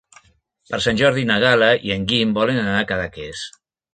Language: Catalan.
Per Sant Jordi na Gal·la i en Guim volen anar a Cadaqués.